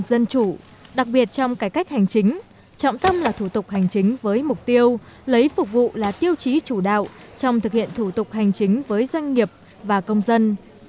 dân chủ đặc biệt trong cải cách hành chính trọng tâm là thủ tục hành chính với mục tiêu lấy phục vụ là tiêu chí chủ đạo trong thực hiện thủ tục hành chính với doanh nghiệp và công dân